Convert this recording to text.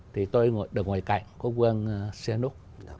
thì tôi được ngoài cạnh quốc vương siên úc